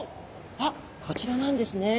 あっこちらなんですね。